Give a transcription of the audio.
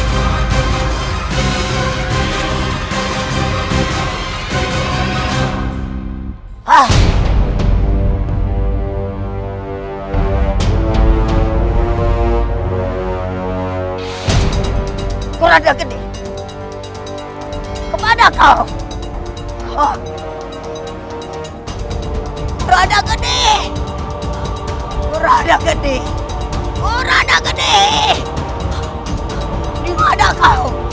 sepertinya dia tidak berbahaya